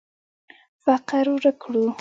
فقر ورک کړو.